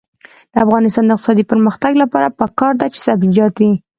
د افغانستان د اقتصادي پرمختګ لپاره پکار ده چې سبزیجات وي.